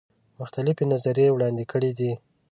مختلفي نظریې وړاندي کړي دي.